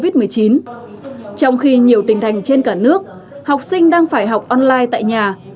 trong khi nhiều tỉnh thành trên cả nước học sinh đang phải học online tại nhà